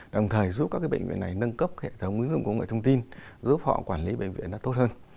đồng thời giúp các bệnh viện này nâng cấp hệ thống ứng dụng của người thông tin giúp họ quản lý bệnh viện tốt hơn